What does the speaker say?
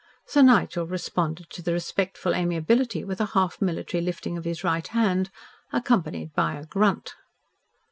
Sir Nigel responded to the respectful amiability with a half military lifting of his right hand, accompanied by a grunt.